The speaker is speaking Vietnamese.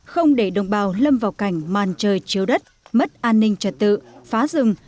không để đồng bào lâm vào cảnh màn trời chiếu đất mất an ninh trật tự phá rừng